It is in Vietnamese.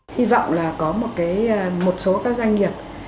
hy vọng là có một cái một số các doanh nghiệp